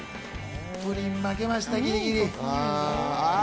プリン負けました、ギリギリ。